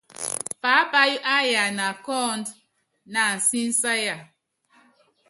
Paápayɔ́ áyana kɔ́ ɔɔ́nd na ansísáya.